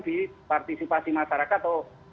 di partisipasi masyarakat atau